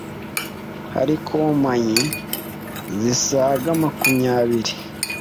Hari kompanyi zisaga makumyabiri